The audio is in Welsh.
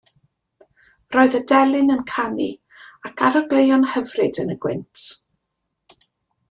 Roedd y delyn yn canu ac arogleuon hyfryd yn y gwynt.